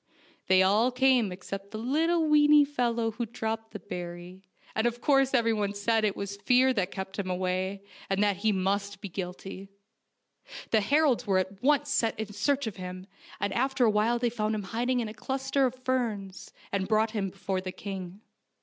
They all came except the little weeny fellow who dropped the berry, and of course everyone said that it was fear that kept him away, and that he must be guilty. The heralds were at once sent in search of him, and after a while they found him hiding in a cluster of ferns, and brought him before the king.